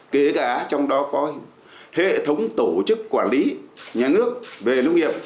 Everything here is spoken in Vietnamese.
kể cả trong đó có hệ thống tổ chức quản lý nhà nước về nông nghiệp